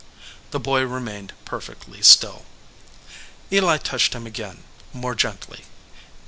The boy remained perfectly still. Eli touched him again, more gently.